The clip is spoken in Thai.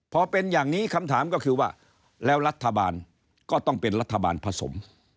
พอเป็นอย่างนี้คำถามก็คือว่าแล้วรัฐบาลก็ต้องเป็นรัฐบาลผสม